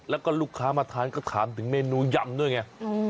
แล้วก็ลูกค้ามาทานก็ถามถึงเมนูยำด้วยไง